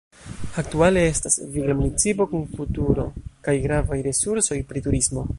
Aktuale estas vigla municipo kun futuro kaj gravaj resursoj pri turismo.